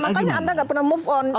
makanya anda nggak pernah move on